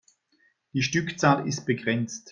Die Stückzahl ist begrenzt.